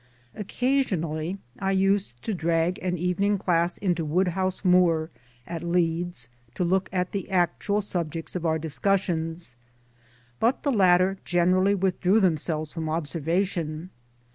Occasionally I used to drag an evening class onto Woodhouse Moor, at Leeds, to look at the actual subjects of our discus sions, but the latter generally withdrew, themselves from observation'